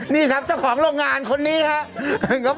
นี่ครับเจ้าของโรงงานคนนี้ครับ